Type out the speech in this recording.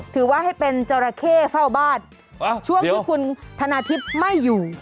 ถือว่าให้เป็นจราเข้เฝ้าบ้านช่วงที่คุณธนาทิพย์ไม่อยู่